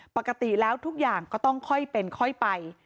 ปกติแล้วทุกอย่างก็ต้องค่อยเป็นค่อยไป